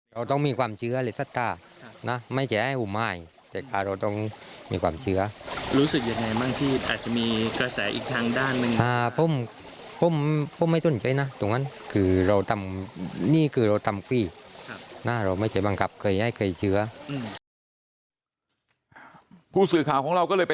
ผู้สื่อข่าวของเราก็เลยไปถามครับ